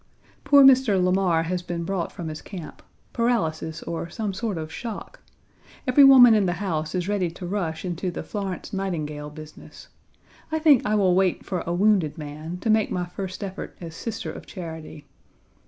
Poor Mr. Lamar has been brought from his camp paralysis or some sort of shock. Every woman in the house is ready to rush into the Florence Nightingale business. I Page 73 think I will wait for a wounded man, to make my first effort as Sister of Charity.